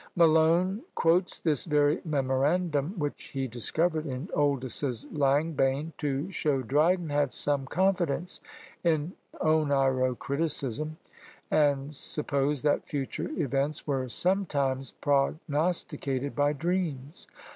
Malone quotes this very memorandum, which he discovered in Oldys's Langbaine, to show Dryden had some confidence in Oneirocriticism, and supposed that future events were sometimes prognosticated by dreams.